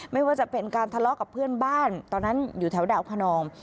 ไม่ว่าจะเป็นการทะเลาะกับเพื่อนบ้านตอนนั้นอยู่แถวดาวขนอง